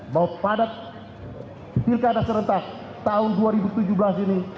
bahwa pada pilkada serentak tahun dua ribu tujuh belas ini